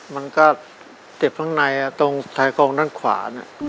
มันก็เจ็บข้างในตรงไทยโครงด้านขวาเนี่ย